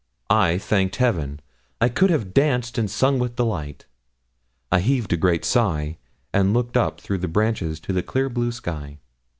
I thanked heaven; I could have danced and sung with delight; I heaved a great sigh and looked up through the branches to the clear blue sky.